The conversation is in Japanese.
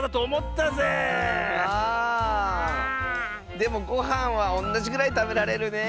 でもごはんはおんなじぐらいたべられるねえ。